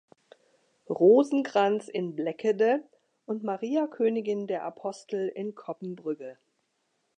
Rosenkranz in Bleckede und Maria Königin der Apostel in Coppenbrügge.